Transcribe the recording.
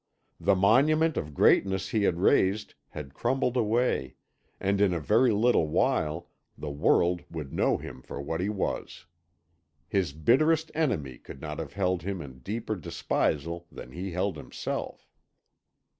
The monument of greatness he had raised had crumbled away, and in a very little while the world would know him for what he was. His bitterest enemy could not have held him in deeper despisal than he held himself.